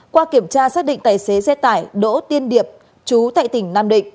qua kiểm tra xác định tài xế xe tải đỗ tiên điệp chú tại tỉnh nam định